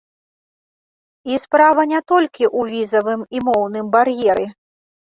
І справа не толькі ў візавым і моўным бар'еры.